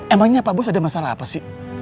emangnya pak bus ada masalah apa sih